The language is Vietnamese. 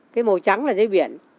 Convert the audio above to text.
cái màu trắng là dưới biển